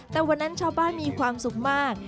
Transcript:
แต่วันนั้นชาวบ้านมีความสุขมาก